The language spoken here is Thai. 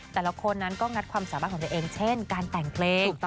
แต่ละคนนั้นก็งัดความสามารถของตัวเองเช่นการแต่งเพลง